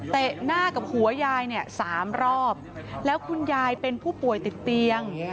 หน้ากับหัวยายเนี่ย๓รอบแล้วคุณยายเป็นผู้ป่วยติดเตียง